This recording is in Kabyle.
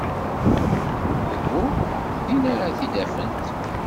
Uhu. Din ara t-id-afent.